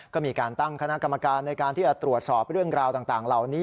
ก็มีการตั้งคณะกรรมการในการที่จะตรวจสอบเรื่องราวต่างเหล่านี้